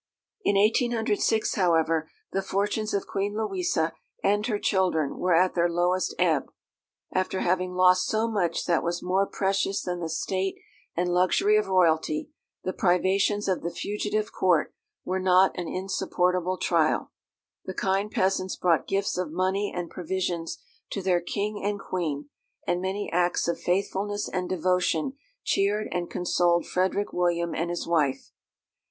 In 1806, however, the fortunes of Queen Louisa and her children were at the lowest ebb. After having lost so much that was more precious than the state and luxury of royalty, the privations of the fugitive Court were not an insupportable trial; the kind peasants brought gifts of money and provisions to their King and Queen, and many acts of faithfulness and devotion cheered and consoled Frederick William and his wife.